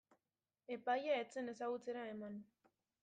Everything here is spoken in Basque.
Epaia ez zen ezagutzera eman.